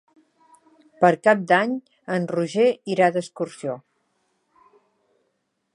Per Cap d'Any en Roger irà d'excursió.